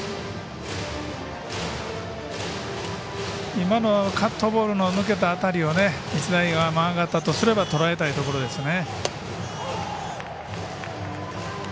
今のカットボールの抜けた当たりを日大山形からしたらとらえたいところですね。